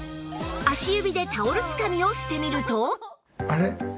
足指でタオルつかみをしてみると？